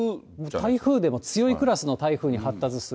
台風でも強いクラスの台風に発達する。